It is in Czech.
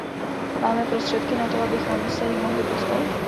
Máme prostředky na to, abychom se jim mohli postavit?